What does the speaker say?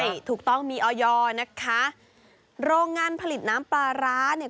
ใช่ถูกต้องมีออยอร์นะคะโรงงานผลิตน้ำปลาร้าเนี่ย